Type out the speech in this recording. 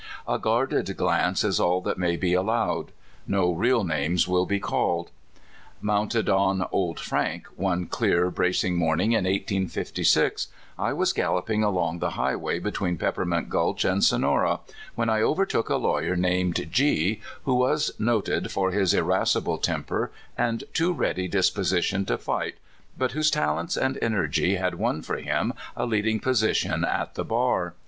A guarded glance is all that may be allowed. No real names will be called. Mounted on *' Old Frank " one clear, bracing morning in 1856, I was galloping along the high way between Peppermint Gulch and Sonora, when I overtook a lawyer named G , who was noted for his irascible temper and too ready dis position to fight, but whose talents and energy had won for him a leading position at the bar.